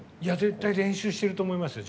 練習してると思いますよ。